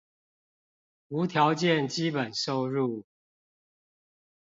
無條件基本收入